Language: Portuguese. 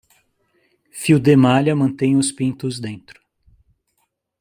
Fio de malha mantém os pintos dentro.